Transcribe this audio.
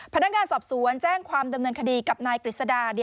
พนักงานสอบสวนแจ้งความดำเนินคดีกับนายกฤษดา